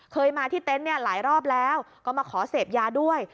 เคยมาที่เต็นต์เนี่ยหลายรอบแล้วก็มาขอเสพยาด้วย